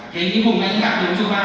thế thế hùng đã đi thác với chúa ba